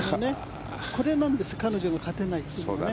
これなんです彼女が勝てないというのは。